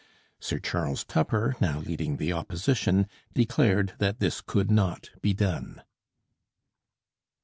Sir Charles Tupper, now leading the Opposition, declared that this could not be done.